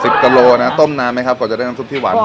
สิบกว่าโลนะต้มนานไหมครับก่อนจะได้น้ำซุปที่หวานหอม